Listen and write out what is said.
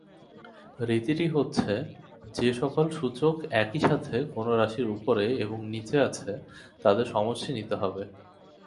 রীতিটি হচ্ছে, যে সকল সূচক একই সাথে কোন রাশির উপরে এবং নিচে আছে তাদের সমষ্টি নিতে হবে।